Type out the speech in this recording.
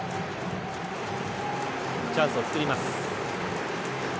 チャンスを作ります。